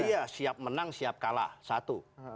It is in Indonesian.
iya siap menang siap kalah satu